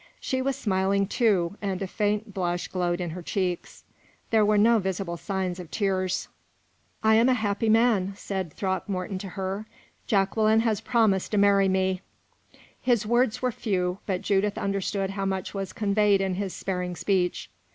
She was smiling, too, and a faint blush glowed in her cheeks. There were no visible signs of tears. "I am a happy man," said Throckmorton to her. "Jacqueline has promised to marry me." His words were few, but Judith understood how much was conveyed in his sparing speech.